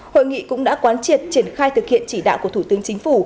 hội nghị cũng đã quán triệt triển khai thực hiện chỉ đạo của thủ tướng chính phủ